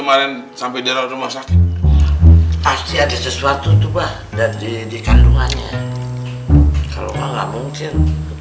maren sampai di rumah sakit pasti ada sesuatu tuh bah dan di di kandungannya kalau nggak mungkin